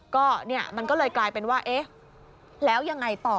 ก็เนี่ยมันก็เลยกลายเป็นว่าเอ๊ะแล้วยังไงต่อ